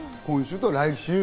今週と来週？